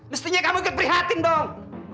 mestinya kamu ikut beri hati dong